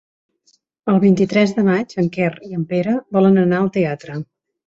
El vint-i-tres de maig en Quer i en Pere volen anar al teatre.